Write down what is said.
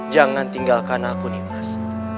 jangan tinggalkan aku nimas